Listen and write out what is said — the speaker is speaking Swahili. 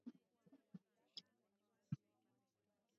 na kusabisha kuwawa kwa watu kumi na wawili